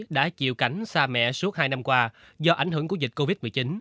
đã chịu cảnh xa mẹ suốt hai năm qua do ảnh hưởng của dịch covid một mươi chín